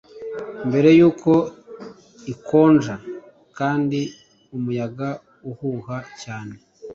Mbere yuko ikonja kandi umuyaga uhuha cyane